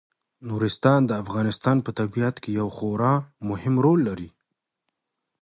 نورستان د افغانستان په طبیعت کې یو خورا مهم رول لري.